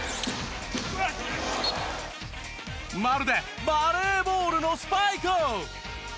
まるでバレーボールのスパイク！